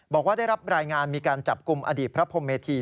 บอกว่าได้รับรายงานมีการจับกลุ่มอดีตพระพรมเมธี